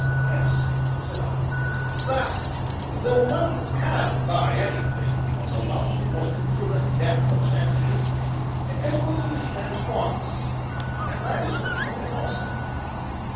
"Yes," said I. "That, though money can buy anything, from the love of a woman to the death of an enemy, it can only be spent once and that is worth knowing also."